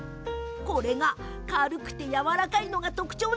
軽くて、やわらかいのが特徴。